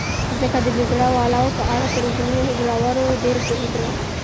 ځکه د بې زړه والاو په اړه تر زړورو ډېر پوهېده.